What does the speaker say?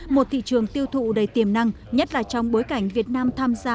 một thị trường tiêu thụ đầy tiềm năng nhất là trong bối cảnh việt nam tham gia